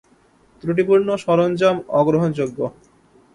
ত্রুটিপূর্ণ সরঞ্জাম অগ্রহণযোগ্য।